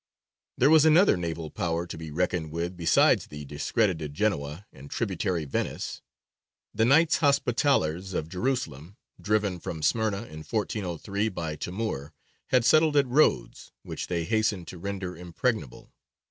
There was another naval power to be reckoned with besides discredited Genoa and tributary Venice. The Knights Hospitallers of Jerusalem, driven from Smyrna (in 1403) by Timur, had settled at Rhodes, which they hastened to render impregnable.